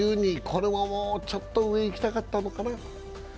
これももうちょっと上、いきたかったかな。